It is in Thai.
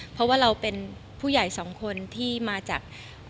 เพราะว่าเราเป็นผู้ใหญ่สองคนที่มาจาก